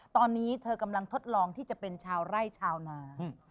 ตอนนี้เธอกำลังทดลองที่จะเป็นชาวไร่ชาวนา